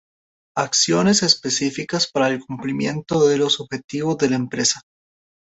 Acciones específicas para el cumplimento de los objetivos de la empresa.